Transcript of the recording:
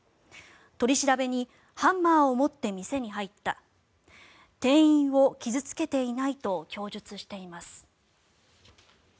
取り調べにハンマーを持って店に入った店員を傷付けていないと供述しています。